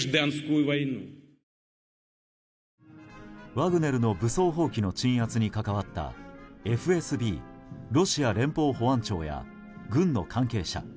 ワグネルの武装蜂起の鎮圧に関わったＦＳＢ・ロシア連邦保安庁や軍の関係者